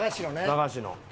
駄菓子の。